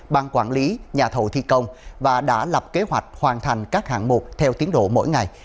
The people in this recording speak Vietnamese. ban quản lý nhà thầu thi công và đã lập kế hoạch hoàn thành các hạng mục theo tiến độ mỗi ngày